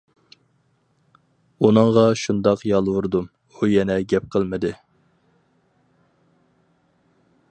ئۇنىڭغا شۇنداق يالۋۇردۇم، ئۇ يەنە گەپ قىلمىدى.